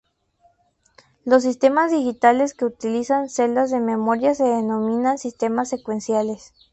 Los sistemas digitales que utilizan celdas de memoria se denominan sistemas secuenciales.